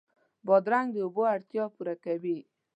بادرنګ د اوبو اړتیا پوره کوي.